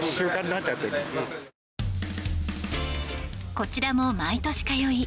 こちらも毎年通い